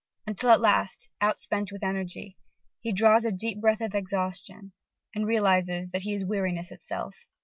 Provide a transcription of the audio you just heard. Until at last, outspent with energy, he draws a deep breath of exhaustion, and realizes that he is weariness itself.